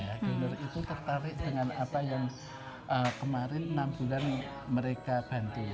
ya donor itu tertarik dengan apa yang kemarin enam bulan mereka bantu